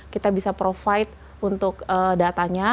kita bisa provide untuk datanya